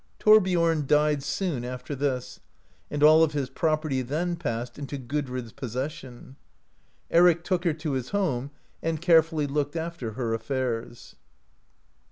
Thor biom died soon after this, and all of his property then passed into Cud riffs possession, Eric took her to his home and carefully looked after her affairs.